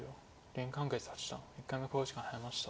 林漢傑八段１回目の考慮時間に入りました。